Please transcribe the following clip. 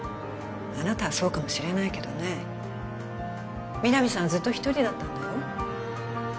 あなたはそうかもしれないけどね皆実さんはずっと一人だったんだよ